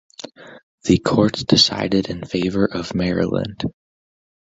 The Court decided in favor of Maryland.